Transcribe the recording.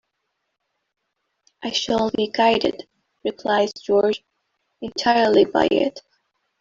"I shall be guided," replies George, "entirely by it."